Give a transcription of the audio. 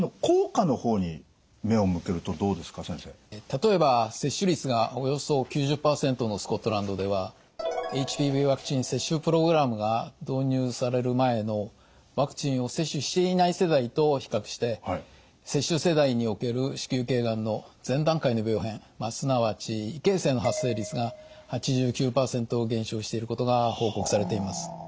例えば接種率がおよそ９０％のスコットランドではＨＰＶワクチン接種プログラムが導入される前のワクチンを接種していない世代と比較して接種世代における子宮頸がんの前段階の病変すなわち異形成の発生率が８９％減少していることが報告されています。